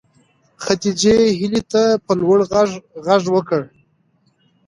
خدیجې هیلې ته په لوړ غږ غږ وکړ.